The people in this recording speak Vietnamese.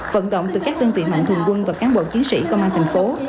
vận động từ các đơn vị mạnh thường quân và cán bộ chiến sĩ công an thành phố